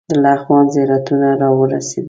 د لغمان زیارتونه راورسېدل.